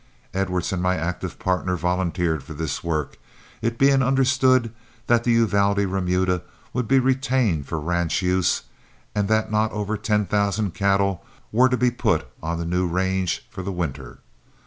Edwards and my active partner volunteered for this work, it being understood that the Uvalde remudas would be retained for ranch use, and that not over ten thousand cattle were to be put on the new range for the winter.